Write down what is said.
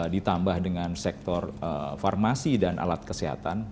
ditambah dengan sektor farmasi dan alat kesehatan